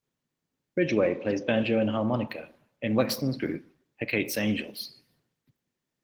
Ridgway plays banjo and harmonica in Wexstun's group Hecate's Angels.